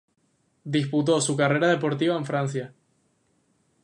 Disputó su carrera deportiva en Francia.